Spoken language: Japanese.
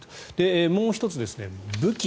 もう１つが武器